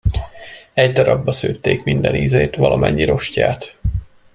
Egy darabba szőtték minden ízét, valamennyi rostját.